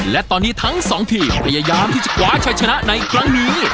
และตอนนี้ทั้งสองทีมพยายามที่จะคว้าชัยชนะในครั้งนี้